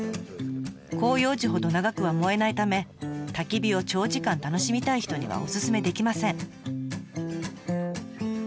広葉樹ほど長くは燃えないためたき火を長時間楽しみたい人にはおすすめできません。